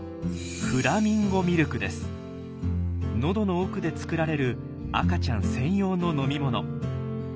喉の奥で作られる赤ちゃん専用の飲み物。